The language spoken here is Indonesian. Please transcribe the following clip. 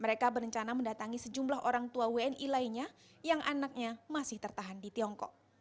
mereka berencana mendatangi sejumlah orang tua wni lainnya yang anaknya masih tertahan di tiongkok